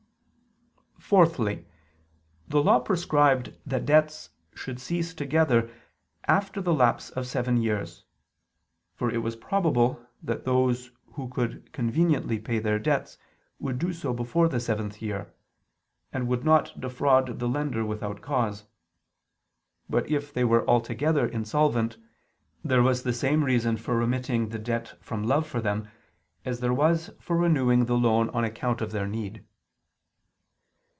Fourthly, the Law prescribed that debts should cease together after the lapse of seven years. For it was probable that those who could conveniently pay their debts, would do so before the seventh year, and would not defraud the lender without cause. But if they were altogether insolvent, there was the same reason for remitting the debt from love for them, as there was for renewing the loan on account of their need.